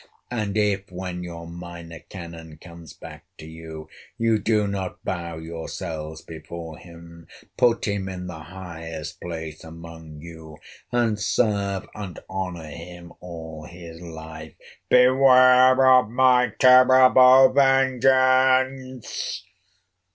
And if, when your Minor Canon comes back to you, you do not bow yourselves before him, put him in the highest place among you, and serve and honor him all his life, beware of my terrible vengeance!